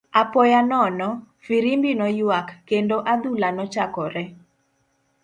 Apoya nono , firimbi noywak, kendo adhula nochakore.